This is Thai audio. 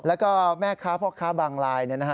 แล้วก็แม่ค้าพวกค้าบางรายนะครับ